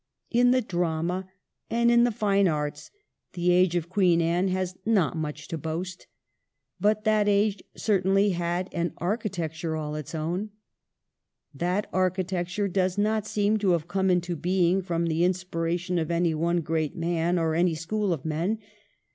In the drama and in the fine arts the age of Queen Anne has not much to boast. But that age certainly has an architecture all its own. That architecture does not seem to have come into being from the inspiration of any one great man or any 398 THE REIGN OF QUEEN ANNE. ch. xl. school of men.